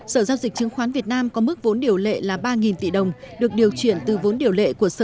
sở giao dịch chứng khoán việt nam có mức vốn điều lệ là ba tỷ đồng được điều chuyển từ vốn điều lệ của sở